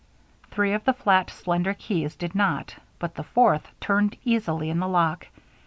Three of the flat, slender keys did not, but the fourth turned easily in the lock.